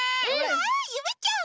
わゆめちゃん！